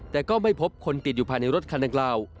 แต่ก็ไม่พบคนติดอยู่ภายในรถคันดังกล่าว